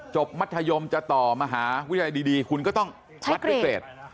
จบมัธยมจะต่อมหาวิชาดีคุณก็ต้องใช้เกรด